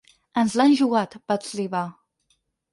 Ens l’han jugat!, va etzibar.